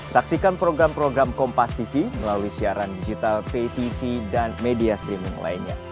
saksikan program program kompastv melalui siaran digital ptv dan media streaming lainnya